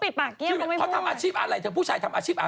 พี่เมียวเขาทำอาชีพอะไรเธอผู้ชายทำอาชีพอะไร